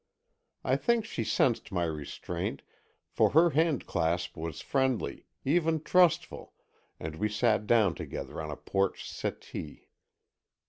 I think she sensed my restraint, for her handclasp was friendly, even trustful, and we sat down together on a porch settee.